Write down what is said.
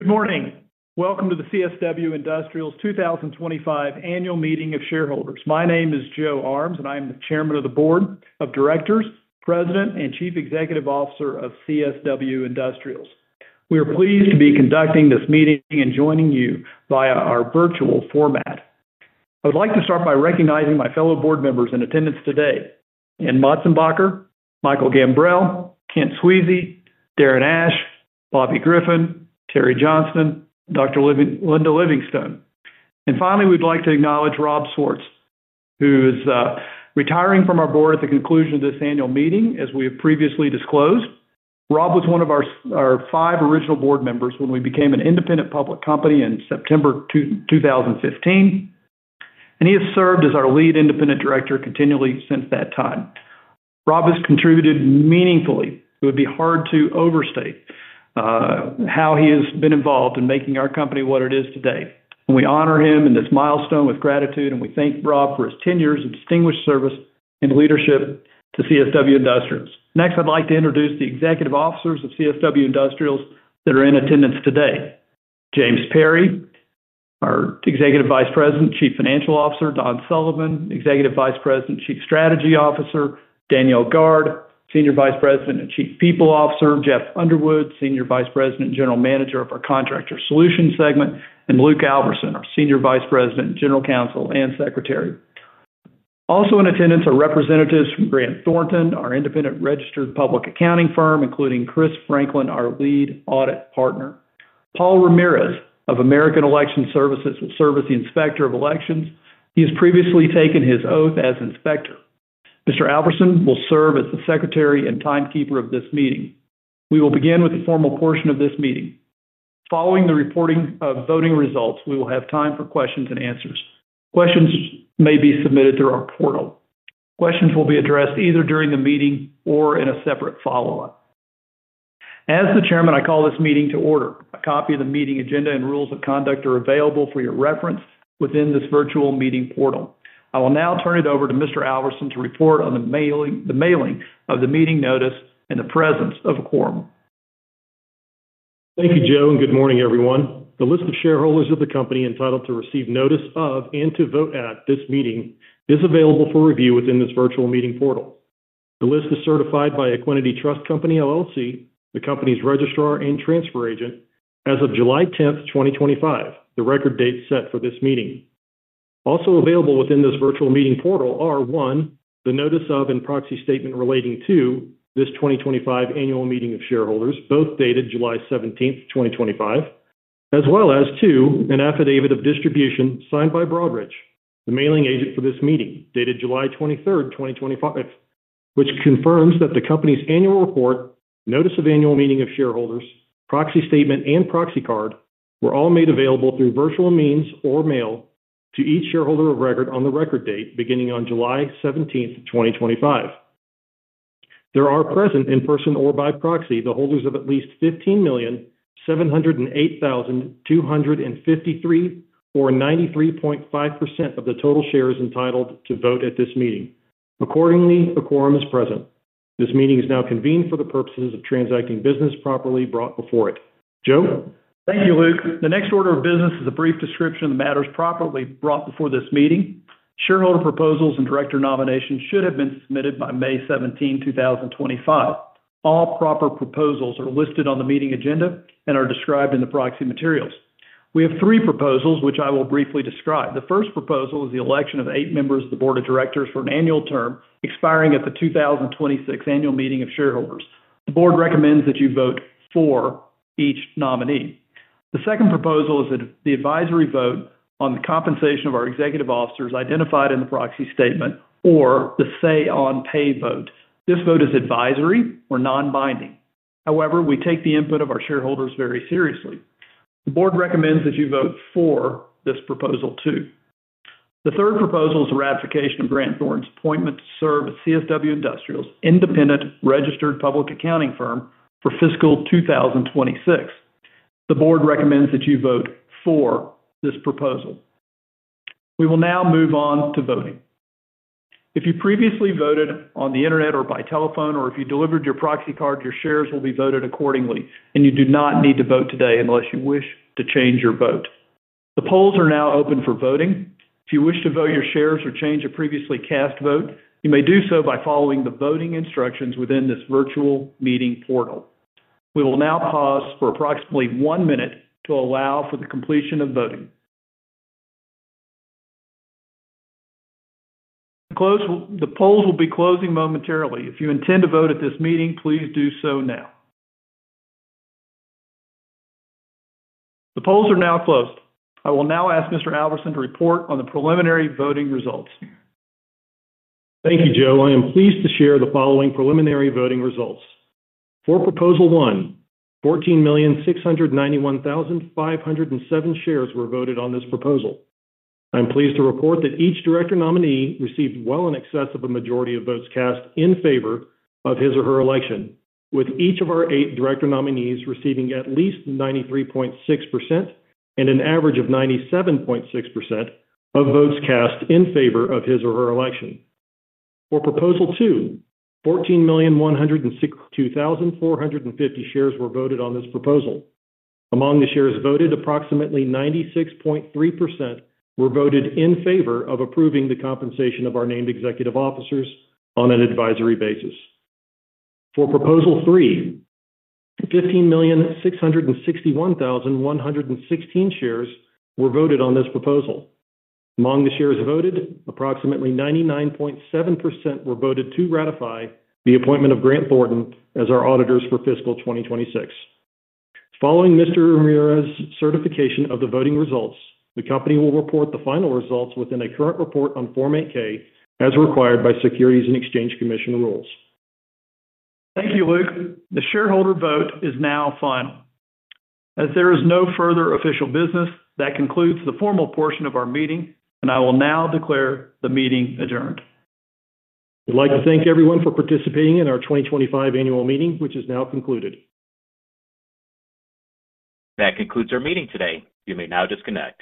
Good morning. Welcome to the CSW Industrials 2025 Annual Meeting of Shareholders. My name is Joe Armes, and I am the Chairman of the Board of Directors, President, and Chief Executive Officer of CSW Industrials. We are pleased to be conducting this meeting and joining you via our virtual format. I would like to start by recognizing my fellow board members in attendance today: Anne Motzenbacher, Michael Gambrell, Kent Sweezy, Darren Ashe, Bobby Griffin, Terry Johnston, and Dr. Linda Livingstone. We would like to acknowledge Rob Swartz, who is retiring from our board at the conclusion of this annual meeting, as we have previously disclosed. Rob was one of our five original board members when we became an independent public company in September 2015, and he has served as our lead independent director continually since that time. Rob has contributed meaningfully. It would be hard to overstate how he has been involved in making our company what it is today. We honor him in this milestone with gratitude, and we thank Rob for his ten years of distinguished service and leadership to CSW Industrials. Next, I'd like to introduce the Executive Officers of CSW Industrials that are in attendance today: James Perry, our Executive Vice President; Chief Financial Officer Don Sullivan; Executive Vice President, Chief Strategy Officer Danielle Guard; Senior Vice President and Chief People Officer Jeff Underwood; Senior Vice President and General Manager of our Contractor Solutions segment; and Luke Alverson, our Senior Vice President, General Counsel, and Secretary. Also in attendance are representatives from Grant Thornton LLP, our independent registered public accounting firm, including Chris Franklin, our lead audit partner, and Paul Ramirez of American Election Services, the Inspector of Elections. He has previously taken his oath as Inspector. Mr. Alverson will serve as the Secretary and timekeeper of this meeting. We will begin with the formal portion of this meeting. Following the reporting of voting results, we will have time for questions and answers. Questions may be submitted through our portal. Questions will be addressed either during the meeting or in a separate follow-up. As the Chairman, I call this meeting to order. A copy of the meeting agenda and rules of conduct are available for your reference within this virtual meeting portal. I will now turn it over to Mr. Alverson to report on the mailing of the meeting notice and the presence of a quorum. Thank you, Joe, and good morning, everyone. The list of shareholders of the company entitled to receive notice of and to vote at this meeting is available for review within this virtual meeting portal. The list is certified by Equiniti Trust Company LLC, the company's registrar and transfer agent, as of July 10, 2025, the record date set for this meeting. Also available within this virtual meeting portal are: one, the notice of and proxy statement relating to this 2025 Annual Meeting of Shareholders, both dated July 17, 2025, as well as two, an affidavit of distribution signed by Broadridge, the mailing agent for this meeting, dated July 23, 2025, which confirms that the company's annual report, notice of annual meeting of shareholders, proxy statement, and proxy card were all made available through virtual means or mail to each shareholder of record on the record date beginning on July 17, 2025. There are present in person or by proxy the holders of at least 15,708,253 or 93.5% of the total shares entitled to vote at this meeting. Accordingly, a quorum is present. This meeting is now convened for the purposes of transacting business properly brought before it. Joe? Thank you, Luke. The next order of business is a brief description of the matters properly brought before this meeting. Shareholder proposals and director nominations should have been submitted by May 17, 2025. All proper proposals are listed on the meeting agenda and are described in the proxy materials. We have three proposals, which I will briefly describe. The first proposal is the election of eight members of the Board of Directors for an annual term expiring at the 2026 Annual Meeting of Shareholders. The Board recommends that you vote for each nominee. The second proposal is the advisory vote on the compensation of our executive officers identified in the proxy statement, or the say on pay vote. This vote is advisory or non-binding. However, we take the input of our shareholders very seriously. The Board recommends that you vote for this proposal too. The third proposal is the ratification of Grant Thornton LLP's appointment to serve as CSW Industrials' independent registered public accounting firm for fiscal 2026. The Board recommends that you vote for this proposal. We will now move on to voting. If you previously voted on the internet or by telephone, or if you delivered your proxy card, your shares will be voted accordingly, and you do not need to vote today unless you wish to change your vote. The polls are now open for voting. If you wish to vote your shares or change a previously cast vote, you may do so by following the voting instructions within this virtual meeting portal. We will now pause for approximately one minute to allow for the completion of voting. The polls will be closing momentarily. If you intend to vote at this meeting, please do so now. The polls are now closed. I will now ask Mr. Alverson to report on the preliminary voting results. Thank you, Joe. I am pleased to share the following preliminary voting results. For proposal one, 14,691,507 shares were voted on this proposal. I am pleased to report that each director nominee received well in excess of a majority of votes cast in favor of his or her election, with each of our eight director nominees receiving at least 93.6% and an average of 97.6% of votes cast in favor of his or her election. For proposal two, 14,162,450 shares were voted on this proposal. Among the shares voted, approximately 96.3% were voted in favor of approving the compensation of our named executive officers on an advisory basis. For proposal three, 15,661,116 shares were voted on this proposal. Among the shares voted, approximately 99.7% were voted to ratify the appointment of Grant Thornton as our auditors for fiscal 2026. Following Mr. Ramirez's certification of the voting results, the company will report the final results within a current report on Form 8-K as required by SEC rules. Thank you, Luke. The shareholder vote is now final. As there is no further official business, that concludes the formal portion of our meeting, and I will now declare the meeting adjourned. We'd like to thank everyone for participating in our 2025 Annual Meeting, which is now concluded. That concludes our meeting today. You may now disconnect.